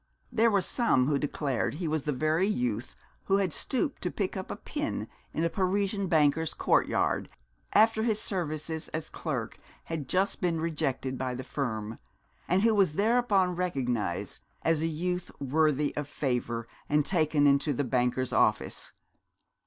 There were some who declared he was the very youth who stooped to pick up a pin in a Parisian banker's courtyard, after his services as clerk had just been rejected by the firm, and who was thereupon recognised as a youth worthy of favour and taken into the banker's office.